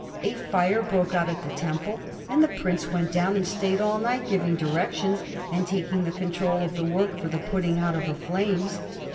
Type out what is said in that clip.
A fire broke out at the Temple, and the prince went down and stayed all night, giving directions and taking the control of the work for the putting out of the flames.